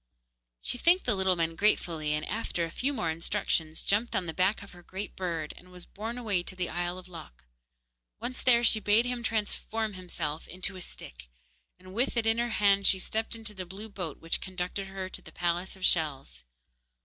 She thanked the little men gratefully, and after a few more instructions, jumped on the back of her great bird, and was borne away to the isle of Lok. Once there, she bade him transform himself back into a stick, and with it in her hand she stepped into the blue boat, which conducted her to the palace of shells.